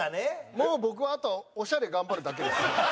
もう僕はあとオシャレ頑張るだけです。